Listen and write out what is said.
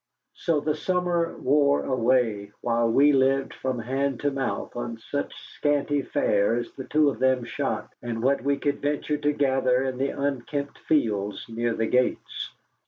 So the summer wore away, while we lived from hand to mouth on such scanty fare as the two of them shot and what we could venture to gather in the unkempt fields near the gates.